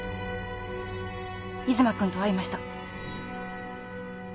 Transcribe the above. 出馬君と会いました。